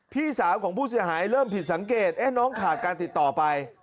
พี่สาวของผู้เสียหายเริ่มผิดสังเกตน้องขาดการติดต่อไป